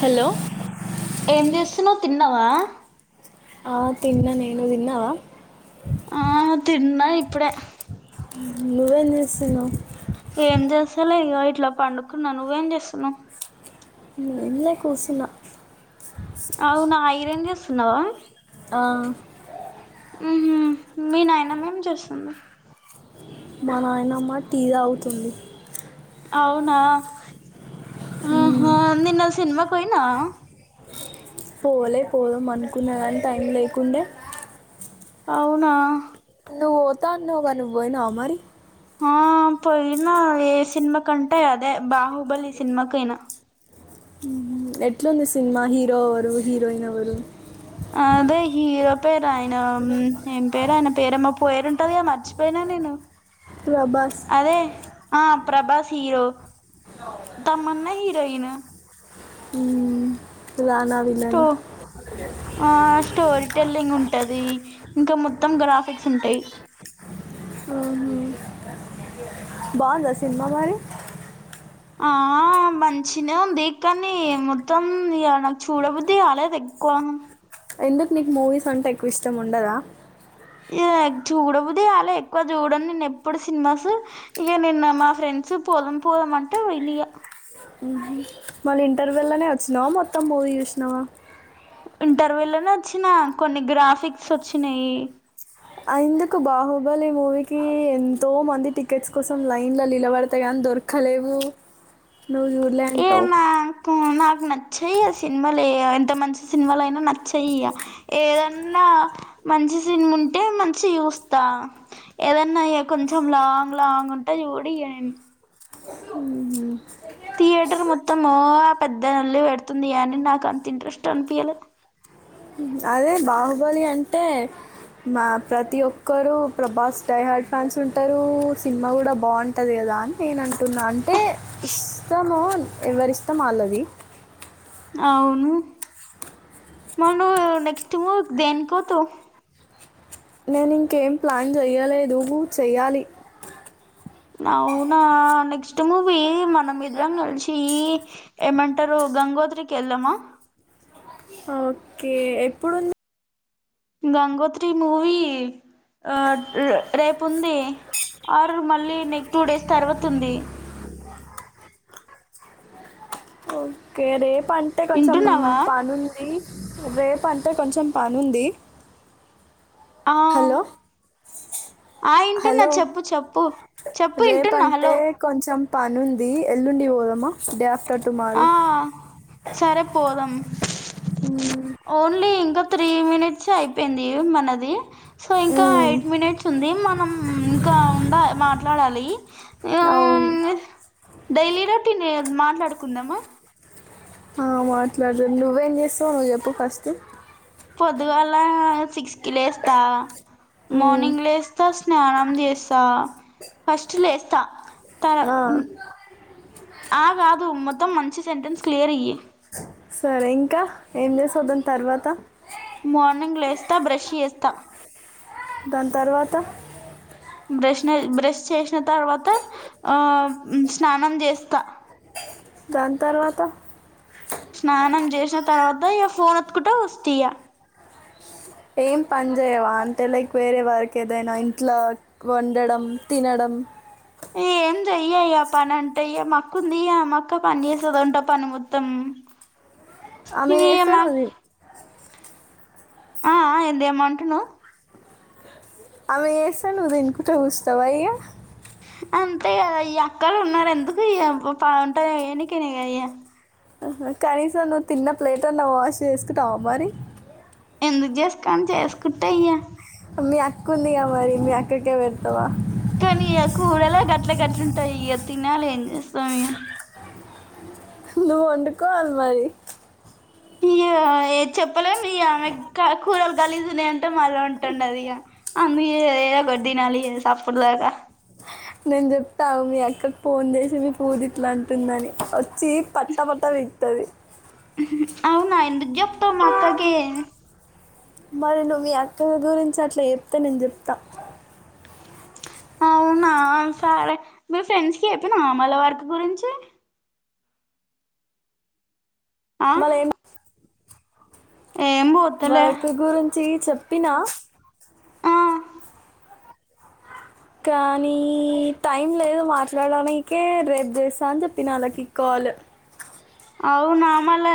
Hello ఏం చేస్తున్నాో తిన్న తిన్నావా ఆ తిన్నా నే నువ్వు తిన్నావా ఆ తిన్న ఇప్పుడే నవ్వు ఏం చేస్తున్నావ్ ఏం చేస్తాల ఇ ఇట్లా పండుకున్నా నువ్వేం చేస్తున్నావ్ ఏం లే కూసున్న అవునా ఐరన్ స్తున్నావా ఆ మ్మ్ హ్మ్ మీ నాయనమ్మ ఏం చేస్తుంది మా నాయనమ్మా టీ తాగుతుంది అవునా మ్మ్, ఆహా నిన్న సినిమా పోయినా పోలే పోదాం అనుకునేలాని టైం లేకుండే అవునా నవ్వు పోత అన్నావ్ గా నువ్ పోయినవ మరి ఆ పోయినా ఏ సినిమా కంటా అదే బాహు బ్బల్లి సినిమాకైయినా ఎట్లాంది సినిమా హీరో ఎవరు హీరోయిన్ ఎవరు అదే హీరో పేరు ఆయన ఏం పేరు ఆయన పేరమ్మ పేరుంటంది మర్చి పోయినా నేను. ప్రభాస్ అదే ఆ ప్రభాస్ హీరో తమన్నా హీరోయిన. ఊ స్టో ఆ స్టోరీ టెల్లింగ్ ఉంటదీ. ఇంకా ముద్ మొత్తం గ్రాఫిక్స్ ఉంటయి. ఆహా బాగుందా సినిమా మరి. ఆ మంచినే ఉంది కానీ మొత్తం గా. నాక్ చూడబుద్దికాలే దగ్గ్ పోదాం ఎందుకు నీకు మూవీస్ అంటే ఎక్కువ ఇష్టం ఉండదా. ఇగ చూడబుద్ది గాలే ఎక్కువ చూడన్ నేన్ ఎప్పుడూ సినిమాసూ. ఇగ నిన్న మా ఫ్రెండ్స్ పోదాం పోదాం అంటే పొయినిగా. ఊహు మళ్ళీ ఇంటర్వల్లనే వచ్చినవా మొత్తం మూవీ చూశినవా. ఇంటర్వల్లనే వచ్చినా కొన్ని గ్రాఫిక్స్ వచ్చినయీ. ఆ ఎందుకు బాహుబలి మూవీకీ ఎంతో మంది టికెట్స్ కోసం లైన్ లో నిలబడితే గానీ దొరకలేవూ. ఏ మాం కూ నాకు నచ్చి హే ఆ సినిమాలే ఎంత మంచి సినిమలయినా నచ్చయీ ఇగ. ఏదన్నా మంచి సినిముంటే మంచిగ చూస్తా. ఏదన్నా ఇగ కొంచెం లాంగ్ లాంగ్ ఉంటే చూడిగ నేన్. ఊహు మళ్ళీ పెడుతుంది గానీ నాక్ అంత ఇంట్రెస్ట్ అనిపీయలే. అదే బాహుబలి అంటే, మా ప్రతి ఒక్కరూ ప్రభాస్ డై హార్డ్ ఫ్యాన్స్ ఉంటరూ, సినిమా గూడా బాగుంటది కదా అని నేను అంటున్నా. అంటే, ఇష్టమూ ఎవరి ఇష్టం వాళ్ళది. అవును. మరి నువ్వూ నెక్స్ట్ మూవీక్ దేనికి పోతవ్. నేను ఇంకేం ప్లాన్ చెయ్యలేదూ చెయ్యాలి. అవునా నెక్స్ట్ మూవీ మనం ఇద్రం కలిశీ ఏమంటరూ గంగోత్రికి వెళ్దామా. ఓకే ఎప్పుడుం గంగోత్రి మూవీ ఆ రేపు ఉంది ఆర్ మళ్ళీ నెక్స్ట్ టూ డేస్ తర్వాత ఉందీ. కే రేప్ అంటే కొంచెం వింటున్నావా పనుందీ. రేప్ అంటే కొంచెం పనుంది. ఆ హలో ఆ వింటున్నా హలో చెప్పు చెప్పు చెప్పు రేపు వింటున్నా అంటే హలో కొంచెం పనుందీ ఎల్లుండి పోదాం. మ డే ఆఫ్ ఆ సరే పోదం. మ్మ్. ఓన్లీ ఇంక త్రీ మినిట్సే అయిపోయిందీ మనదీ సో ఇంకా మ్మ్. ఎయిట్ మినిట్స్ ఉంది మనం ఇంకా ఉండాయ్ మాట్ ట్లాడాలీ అవును డైలీ రోటీనే కద మాట్లాడు కుందామా ఆ మాట్లాడదు నువ్వేం చేస్తావు నువ్వు చెప్పు ఫస్టు పొద్దుగాల సిక్స్ కి లేస్తా మ్మ్. మార్నింగ్ లేస్తా స్నానం చేస్తా ఫస్టు లేస్ త్త తర ఆ, ఆ గాదు మొత్తం మ చీ సెంటెస్ క్లియర్ ఇయ్యి సరే ఇంకా ఏం చేసావ్ దాని తర్వాత మార్నింగ్ లేస్తా బ్రష్ చేస్తా దాని తర్వాత బ్రష్ న బ్రష్ చేస్ న తర్వాత ఆ స్నానం చేస్తా దాని తర్వాత స్నానం చేసిన తర్వాత ఇక ఫోన్ ఒత్తుకుంట వస్తయా ఏం పని చేయవా అంటే లైక్ వేరే వారికి ఏదైనా ఇంట్లో వండడం తినడం ఏం చెయ్యా ఆ పని అంటే మాఅక్క ఉందిగా మా అక్క పని చేసేదంటా పని మొత్తం ఆమె ఇగ చేస్తే మా నుది ఆ ఆ ఏంది ఏమంటున్నవ్ అవి ఏస్తాను నువ్వు తినుకుంట చూస్తా వా ఏ అంతే కదా ఈ అక్కలు ఉన్నారు ఎందుకు ఇ ఉంటారు ఎనకనే అయ్య కనీసం నువ్వు తిన్న ప్లేట్ అన్న వాష్ చేసుకుంటావ మరి ఎందుకు చేసుకోను చేసుకుంట్టయ్య మీ అక్క ఉందిగా మరి మీ అక్కకే పెడతావా కానీ ఇ కూడలా గట్ల గట్లుంటాయి ఇక తినాలి ఏం చేస్తాం ఇ నువ్వు వండుకోవాలి మరి ఈ ఏ చెప్పలేం [unintelligible] గలీజు ఉన్నాయా మ మాలో ఉంటండ అదియ అను ఏ ఏదో గడ్డి తినాలి లేసి అప్పుడు దాకా నేను చెప్తాను ఆగు మీ అక్కకి ఫోన్ చేసి మీ పూది ఇట్లా అంటుందని వచ్చి పట్టా పట్టా పీకుతది. అవునా ఎందుకు చెప్తావ్ మా అక్కకి మరి నువ్వు మీ అక్క గురించి అట్లా చెప్తే నేను చెప్తా అవునా సరే మీ ఫ్రెండ్స్ కి చెప్పినవ మల్ల వర్కు గురించి ఆ ఏం పోతలే బైకు గురించి చెప్పినా ఆ కానీ టైం లేదు మాట్లాడనికే రేపు చేస్తా అని చెప్పి నా వాళ్ళకి కాలు అవునామల్ల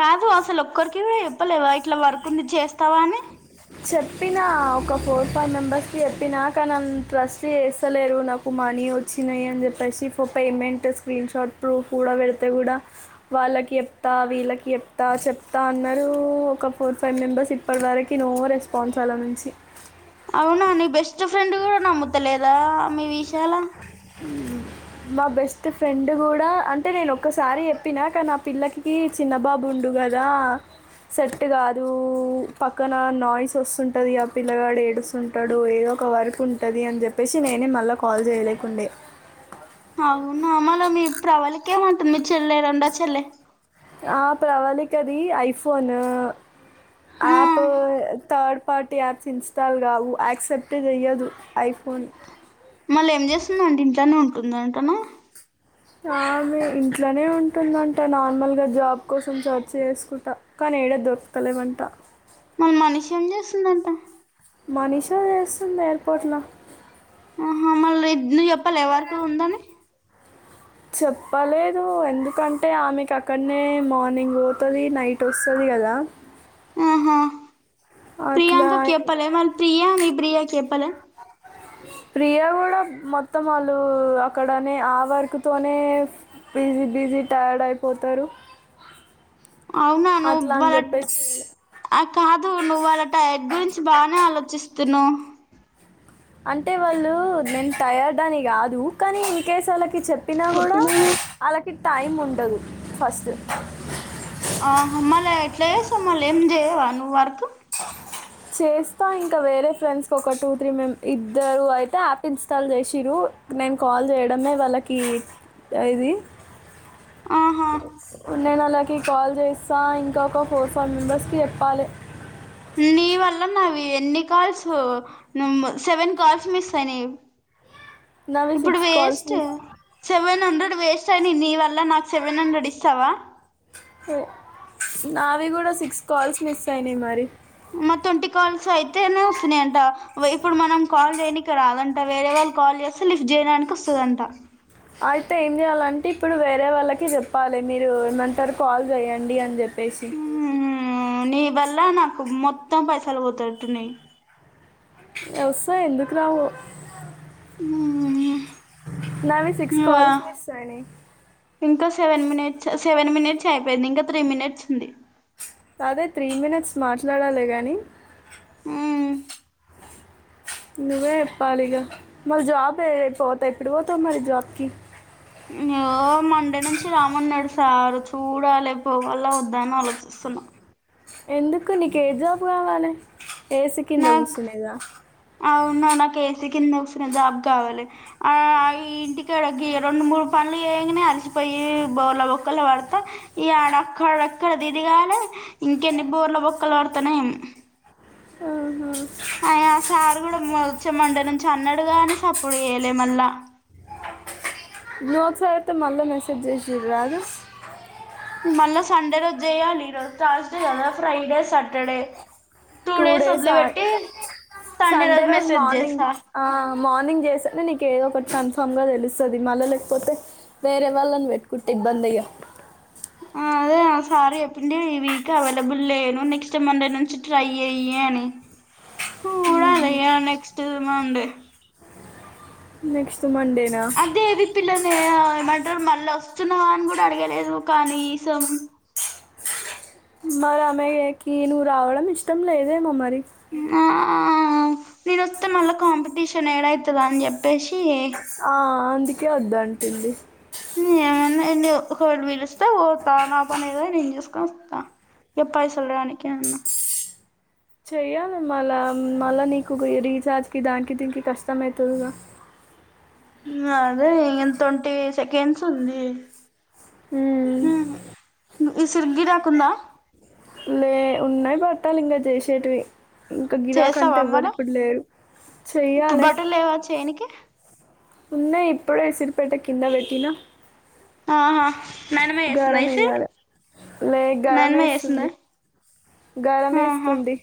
కాదు అసలు ఒక్కరికి చెప్పలేవా ఇట్లా వర్క్ ఉంది చేస్తావా అని చెప్పినా ఒక ఫోర్ ఫైవ్ మెంబెర్స్కి చెప్పినా కానీంత ట్రస్ట్ చేస్తలేరు నాకు మనీ వచ్చినాయి అని చెప్పేసి ఫో పేమెంట్ స్క్రీన్ షాట్ ప్రూఫ్ కూడా పెడితే కూడా వాళ్ళకి చెప్తా వీళ్ళకి చెప్తా చెప్తా అన్నారు ఒక ఫోర్ ఫైవ్ మెంబెర్స్ ఇప్పటి వర నో రెస్పాన్స్ ఆళ్ళ నుంచి అవునా నీ బెస్ట్ ఒక ఫ్రెండ్ కూడా నమ్ముతలేదు. దామి వి చాలా మా బెస్ట్ ఫ్రెండ్ కూడా అంటే నేను ఒక్కసారి చెప్పినా కానీ ఆ పిల్లకి చిన్నబాబు ఉండు కదా సెట్ కాదు. పక్కన నాయిస్ వస్తుంటది. ఆ పిల్లగాడు ఏడుస్తుంటడు. ఏదో ఒక వర్క్ ఉంటది అని చెప్పేసి నేనే మళ్ళా కాల్ లేయలేకుండే అవునా మళ్ళ మీ ప్రవళికేమంటుంది మీ చెల్లె రెండో చెల్లె ఆ ప్రవళి కది ఐఫోన్ ఆ app third party apps install కావు, యాక్సెప్ట్ చెయ్యదు ఐఫోన్. మళ్ళా ఏం చేస్తుందంట ఇంట్లనే ఉంటుందంటనా. ఆమె ఇంట్లోనే ఉంటుందంట నార్మల్గా జాబ్ కోసం సెర్చ్ చేసుకుంటా కానీ ఏడ దొరకుతలేవంట. మన మనిషి ఏం చేస్తుందంట. మనీషా చేస్తుంది ఎయిర్పోర్ట్లా. ఆహా మళ్ళి నువ్వు చెప్పలె వర్క్ ఉందని. చెప్పలేదు ఎందుకంటే ఆమెకు అక్కడనే మార్నింగ్ పోతది నైట్ వస్తది కదా. ఆహా అట్లా ప్రియాంకి చెపలే వాళ్ళ ప్రియా మీ ప్రియాకి చెపలే ప్రియా కూడా మొత్తం వాళ్ళు అక్కడనే ఆ వర్క్తోనే బిజీ బిజీ టైర్డ్ అయిపోతరు. అవునా నువ్వు వాళ్ళ కాదు నువ్వు వాళ్ళ టైర్డ్ గురించి బానే ఆలోచిస్ తున్నవు. అంటే వాళ్ళు నేను టయర్డ్ అని కాదు కానీ ఇన్ కేస్ ఆల్లకి చెప్పినా కూడా అలాకి టైం ఉండదు ఫస్ట్. ఆహా మలే ఎట్ల చేస్తవు మల్ ఏం చేయవా నువ్వు వర్క్. చేస్తా ఇంకా వేరే ఫ్రెండ్స్కి ఒక టూ త్రీ మెం ఇద్దరు అయితే యాప్ ఇన్స్టాల్ చేశింరు. నేను కాల్ చేయడమే వాళ్ళకి ఇది ఆహా ఉండే నళ్ళకి కాల్ చేస్తా ఇంకా ఒక ఫోర్ ఫైవ్ మెంబర్స్కి చెప్పాలె. నీ వల్ల నావి ఎన్ని calls number seven calls miss అయినయి. నావి ఇప్పుడు six calls waste miss seven seven hundred waste అయినయి నీ వల్ల నాకు సెవెన్ హండ్రెడ్ ఇస్తవా. నావి కూడా సిక్స్ కాల్స్ మిస్ అయినయి మరి. మా ట్వంటీ కాల్స్ అయితేనే వస్తున్నయంట. ఇప్పుడు మనం కాల్ చేయనికి రాదంట. వేరే వాళ్ళు కాల్ చేస్తే లిఫ్ట్ జెయిన్అయినంక వస్తదంట. అయితే ఏం చేయాలంటే ఇప్పుడు వేరే వాళ్ళకి చెప్పాలె మీరు ఏమంటరు కాల్ చేయండి అని చె ప్పెసి. ఆ నీవల్లా నాకు మొత్తం పైసలు పోతట్టున్నయి. వస్తయి ఎందుకు రావు. [unintelligible] నావి సిక్స్ కాల్స్ మిస్ అయినయి. ఇంకా సెవెన్ మినిట్స్. సెవెన్ మినిట్స్ అయిపోయింది, ఇంకా త్రీ మినిట్స్ ఉంది. అదే త్రీ మినిట్స్ మాట్లాడాలె గాని హు నువ్వే చెప్పాలి ఇగా మరి జాబ్ పోతా ఎప్పుడు పోతవు మరి జాబ్కి. ఇగో మండే నుంచి రామ్మన్నడు సారు. చూడాలె పోవాల వద్దా అని ఆలోచిస్తున్నా. ఎందుకు నీక ఏ జాబు కావాలే ఏసి కింద కూర్స్తునేద అవున్నా నాకు ఏసీ కింద వసిన జాబ్ కావాలి, ఆ ఇంటికిడ గ రెండు మూడు పనులు వయగానే అలిసిపోయి బోర్ల బొక్కలు పడతా, ఈ ఆడ అక్కడ ఎక్కడ దిదిగాల ఇంకెన్ని బోర్ల బొక్కలు పడతానేేం ఆహా అయ సార్ కూడా మచ్చమంట నుంచి అన్నాడుగానే సప్పుడు చేయలే మళ్ళా మీవాస అయితే మళ్ళీ మెసేజ్ చేసి రాదు మళ్ళీ సండే రోజు చేయ్యాలి ఈరోజు థ్రాస్డే కదా Friday Saturday two days Sunday రోజు మార్నింగ్ మార్నింగ్ చేస నీక ఏదో ఒకటి కన్ఫామ్ గా తెలుస్తది మళ్ళ లేకపోతే వేరే వాళ్ళని పెట్టుకుంటే ఇబ్బంది అయ్యా అదే సారీ చెప్పిడి ఈ వీక్ అవైలబుల్ లేను నెక్స్ట్ మండే నుంచి ట్రై అయ్యని మ్ హు ఉ మండే నెక్స్ అదే అది [unintelligible] మళ్ళోస్తున్నావా అని కూడా అడిగలేదు కనీ సం మరి అమెయేకి నువ్వు రావడం ఇష్టం లేదేమో మరి ఆ నేనోత్తే మళ్ళ కాంపిటీష్ [inaudible] ఏడైతదో అని చెప్పేషి టుంది ఊ ఏమన్నా ఎండు ఒకోడు పిలుస్తే పోతా నా పని ఏదో నేను చూసుకొని వస్తా ఎప్పైసలు రానీ [inaudible] చెయ్యాలి మళ్ళా మళ్ళ నీకు రీఛార్జ్కి దానికి దీనికి కష్టమైతదిగా ఉమ్ అదే [unintelligible] ట్వంటీ సెకండ్స్ ఉంది ఊ ఈసుర్ గిరాకుందా లే ఉన్నాయి పట్టాలింక చేసేటివి ఇంక గిరాక్ అంటే చేస్తావా ఎవ్వరు మరి ఇప్పుడు లేరు ఇప్పుడు చెయ్యాలె బట్టలు లేవా చేయనికి ఉన్నాయి ఇప్పుడే ఇసిరిపేట కింద పెట్టినా ఆహా నాయనమ్మ చేస్తుందా గరం ఇసిరి ఎయ్యాలె లే గరం నాయనమ్మ చేస్తుందా ఏస్తుంది ఆహా గరమేస్తుంది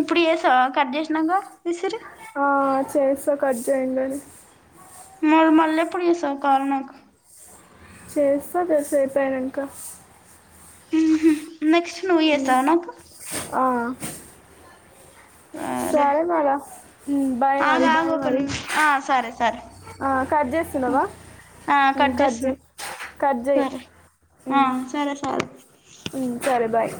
ఇప్పుడు చేసావా కట్ చేసినంగ విసురి ఆ, చేస్తా కట్ చేయంగాని మూర మల్లె [unintelligible] నాకు చేస్తా తెసేపోనంక నెక్స్ట్ నువ్ ఉమ్, చేస్తావా నాకు ఆ, సరే మళ్ళ బాయ్ ఆగు మరి ఆగు ఒక నిమిషం ఆ సరే సరే కట్ చేస్తున్నావా, ఆ కట్ చేస్తున్నా చేయి కట్ చేయి సరే ఆ మ్ సరే సరే మ్ సరే బాయ్